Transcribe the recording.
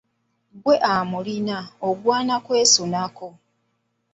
Ggwe amulina ogwana kwesunako.